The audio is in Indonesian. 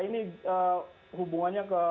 ini hubungannya ke